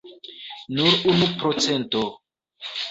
Nur unu procento!